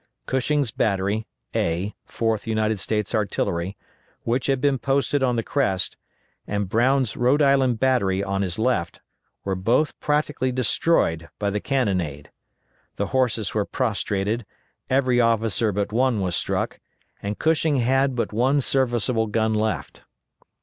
Cushing's battery, A, 4th United States Artillery, which had been posted on the crest, and Brown's Rhode Island Battery on his left, were both practically destroyed by the cannonade. The horses were prostrated, every officer but one was struck, and Cushing had but one serviceable gun left.